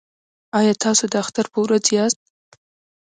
ایا تاسو د اختر په ورځ یاست؟